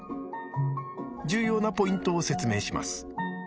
重要なポイントを説明します。